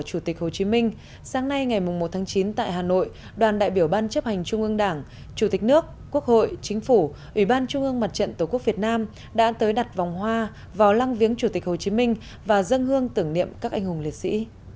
chủ tịch nước quốc hội chính phủ ủy ban trung ương mặt trận tổ quốc việt nam đã tới đặt vòng hoa vào lăng viếng chủ tịch hồ chí minh và dâng hương tưởng niệm các anh hùng liệt sĩ